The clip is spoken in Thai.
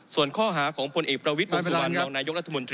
ส่วนข้อหาของคนเอกประวิทย์